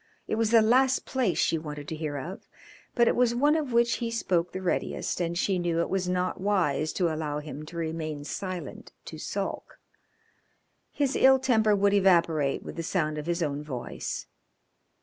It was the last place she wanted to hear of, but it was one of which he spoke the readiest, and she knew it was not wise to allow him to remain silent to sulk. His ill temper would evaporate with the sound of his own voice.